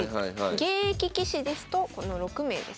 現役棋士ですとこの６名ですね。